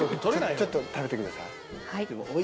ちょっと食べてください。